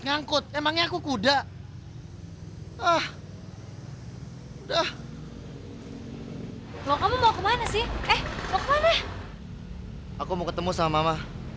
aku mau ketemu sama mama